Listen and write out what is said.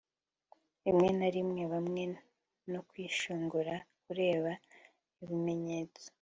rimwe na rimwe hamwe no kwishongora, kureba, ibimenyetso